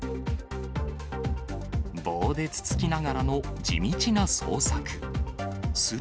棒でつつきながらの地道な捜索。